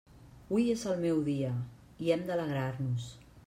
Hui és el meu dia, i hem d'alegrar-nos.